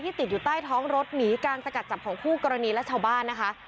ติดอยู่ใต้ท้องรถหนีการสกัดจับของคู่กรณีและชาวบ้านนะคะ